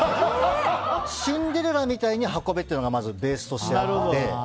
シンデレラみたいに運べというのがベースとしてあって。